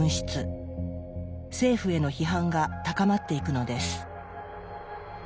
政府への批判が高まっていくのです。